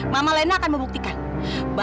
memang benar ya